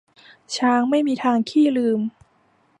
ช้างไม่มีทางขี้ลืม